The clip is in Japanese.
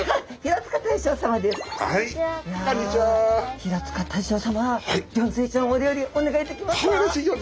平塚大将さまギョンズイちゃんをお料理お願いできますか。